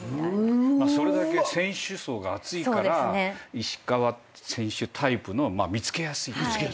それだけ選手層が厚いから石川選手タイプの見つけやすい。